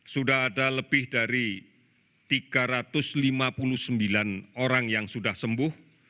sudah ada lebih dari tiga ratus lima puluh sembilan orang yang sudah sembuh